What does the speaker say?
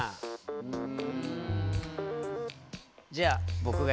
うん。